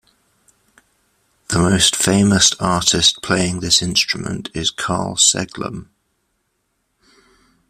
The most famous artist playing this instrument is Karl Seglem.